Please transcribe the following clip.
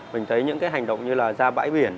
mình thấy những cái hành động như là ra bãi biển